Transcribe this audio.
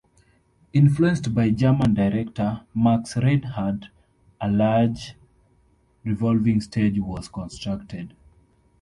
Influenced by German director Max Reinhardt, a large revolving stage was constructed.